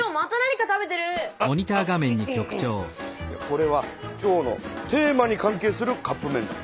これは今日のテーマに関係するカップめんだ。